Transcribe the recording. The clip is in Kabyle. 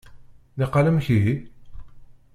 Niqal amek ihi?